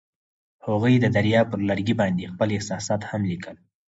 هغوی د دریا پر لرګي باندې خپل احساسات هم لیکل.